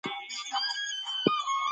د سهار نرم قدم وهل ګټور دي.